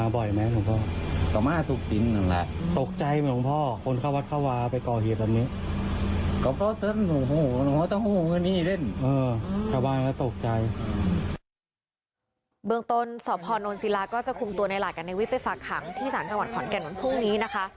เบื้องตนสนศิราก็จะคุมตัวในหลายการในวิทธิ์ไปฝากหางที่สจขอนแก่นวลพรุ่งนี้นะคะ